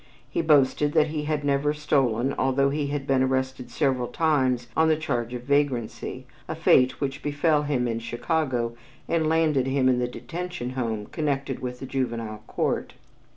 He boasted that he had never stolen, although he had been arrested several times on the charge of vagrancy, a fate which befell him in Chicago and landed him in the Detention Home connected with the Juvenile Court.